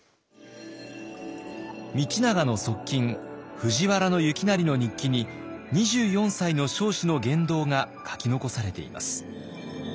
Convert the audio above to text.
道長の側近藤原行成の日記に２４歳の彰子の言動が書き残されています。